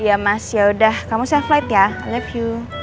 iya mas yaudah kamu safe flight ya i love you